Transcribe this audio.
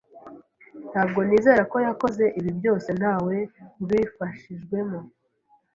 Ntabwo nizera ko yakoze ibi byose ntawe ubifashijwemo.